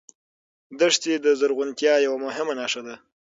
دښتې د زرغونتیا یوه مهمه نښه ده.